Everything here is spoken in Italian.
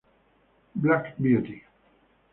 Black Beauty